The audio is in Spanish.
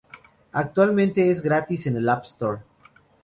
Actualmente es gratis en el App store.